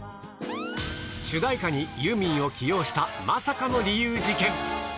主題歌にユーミンを起用したまさかの理由事件。